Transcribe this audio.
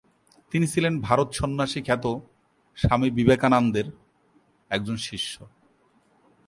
তিনি ছিলেন ভারত সন্ন্যাসী খ্যাত স্বামী বিবেকানন্দের একজন শিষ্য।